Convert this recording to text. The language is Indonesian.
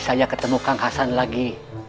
saya ketemu kang hasan lagi